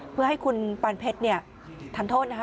เพื่อให้คุณปานเพชรทันโทษนะคะ